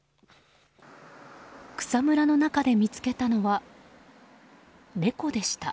草むらの中で見つけたのは猫でした。